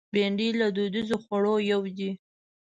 بېنډۍ له دودیزو خوړو یو دی